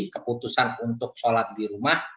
keputusan untuk sholat di rumah